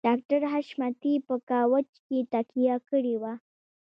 ډاکټر حشمتي په کاوچ کې تکيه کړې وه